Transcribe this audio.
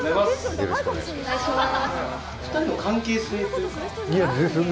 よろしくお願いします。